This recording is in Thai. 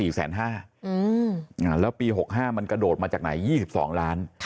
แล้วปี๖๕มันกระโดดมาจากไหน๒๒ล้าน